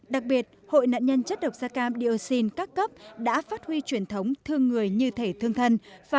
đặc biệt hội nạn nhân chất độc da cam dioxin các cấp đã phát huy truyền thống thương người như thể thương thân và